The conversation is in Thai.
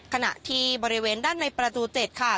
ขณะที่บริเวณด้านในประตู๗ค่ะ